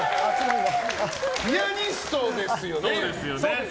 ピアニストですよね？